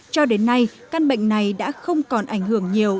cho đến nay căn bệnh này đã không còn ảnh hưởng nhiều